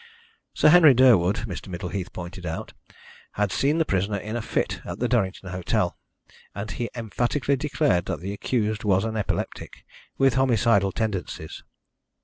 Sir Henry Durwood, Mr. Middleheath pointed out, had seen the prisoner in a fit at the Durrington hotel, and he emphatically declared that the accused was an epileptic, with homicidal tendencies.